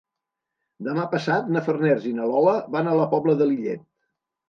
Demà passat na Farners i na Lola van a la Pobla de Lillet.